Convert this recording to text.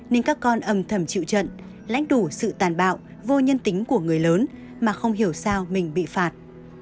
nên các con âm thầm chịu trận lãnh đủ sự tàn bạo vô nhân tính của người lớn mà không hiểu sao mình bị phạt